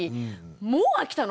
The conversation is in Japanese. もう飽きたの？